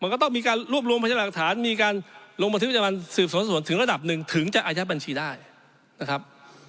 มันก็ต้องมีการรวบรวมพยาบาลหลักฐานมีการลงบัญชีวิทยาบาลสืบสวนถึงระดับหนึ่งถึงจะอายัดบัญชีได้นะครับ